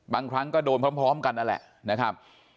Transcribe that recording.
บางครั้งก็โดนพร้อมกันนั่นแหละ